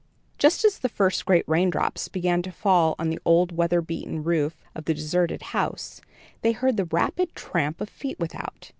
Just as the first great rain drops began to fall on the old weather beaten roof of the deserted house, they heard the rapid tramp of feet without.